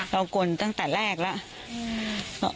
กลตั้งแต่แรกแล้ว